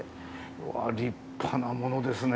うわ立派なものですね。